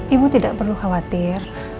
ibu tidak perlu khawatir